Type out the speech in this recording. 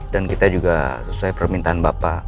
dan kita juga sesuai permintaan bapak